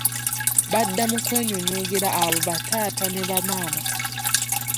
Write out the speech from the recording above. Badda mu kwenyonyogera abo ba taaata ne ba maama.